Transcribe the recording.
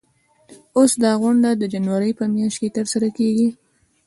اوس دا غونډه د جنوري په میاشت کې ترسره کیږي.